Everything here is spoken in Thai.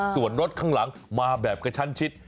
ส่วนรถข้างหลังมาแบบกระชั้นชิด